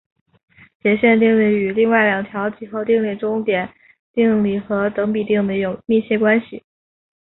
截线定理与另外两条几何定理中点定理和等比定理有密切关系。